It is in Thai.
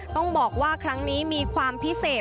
ต้องบอกว่าครั้งนี้มีความพิเศษ